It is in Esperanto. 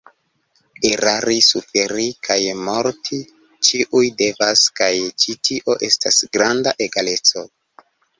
Erari, suferi kaj morti ĉiuj devas kaj ĉi tio estas granda egaleco.